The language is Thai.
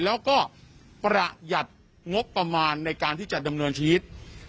แล้วก็ประหยัดงบประมาณในการที่จะดำเนินชีวิต